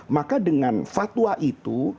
maka dengan fatwa itu